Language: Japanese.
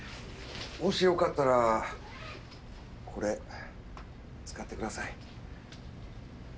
もしよかったらこれ使ってください。